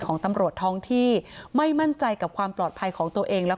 ของตำรวจท้องที่ไม่มั่นใจกับความปลอดภัยของตัวเองและ